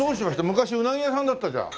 昔ウナギ屋さんだったじゃん。